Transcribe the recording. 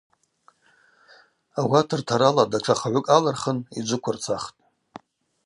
Ауат ртарала датша хгӏвыкӏ алырхын йджвыквырцахтӏ.